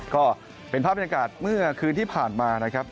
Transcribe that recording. ก็เป็นภาพบรรยากาศเมื่อคืนที่ผ่านมานะครับ